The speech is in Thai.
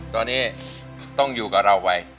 ตอนนี้ต้องอยู่กับเราไป